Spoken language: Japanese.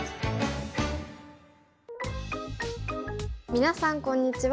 皆さんこんにちは。